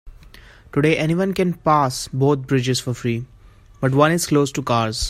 Today, anyone can pass both bridges for free, but one is closed to cars.